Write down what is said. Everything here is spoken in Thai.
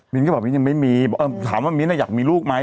ก็บอกมิ้นยังไม่มีถามว่ามิ้นท์อยากมีลูกไหม